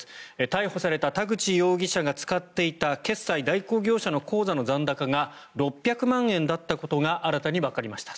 逮捕された田口容疑者が使っていた決済代行業者の口座の残高が６００万円だったことが新たにわかりました。